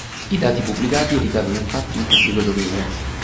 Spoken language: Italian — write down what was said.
I dati pubblicati ricadono infatti in pubblico dominio